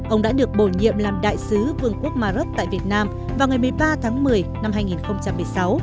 ông đã được bổ nhiệm làm đại sứ vương quốc maroc tại việt nam vào ngày một mươi ba tháng một mươi năm hai nghìn một mươi sáu